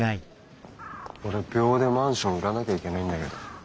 俺秒でマンション売らなきゃいけないんだけど。